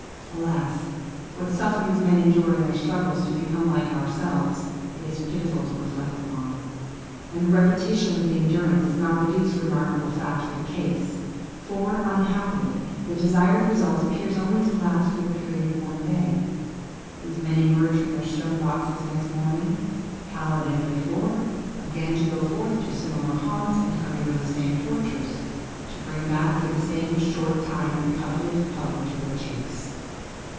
Alas! what sufferings men endure in their struggles to become like ourselves, it is pitiful to reflect upon! And the repetition of the endurance is not the least remarkable fact of the case. For, unhappily, the desired result appears to last for only the period of one day. These men emerge from their stone boxes next morning, pallid as before, again to go forth to similar haunts, and undergo the same tortures, to bring back for the same short time the coveted colour to their cheeks!